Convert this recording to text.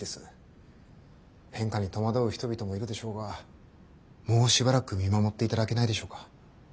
変化に戸惑う人々もいるでしょうがもうしばらく見守っていただけないでしょうか。